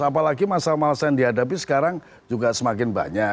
apalagi masa masa yang dihadapi sekarang juga semakin banyak